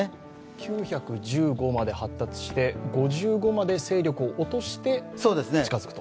９１５まで発達して、９５５まで勢力を落としてと。